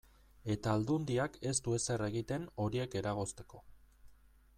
Eta Aldundiak ez du ezer egiten horiek eragozteko.